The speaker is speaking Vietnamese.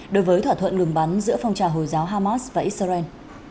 đối với thỏa thuận lường bắn giữa phong trà hồi giáo hamas và israel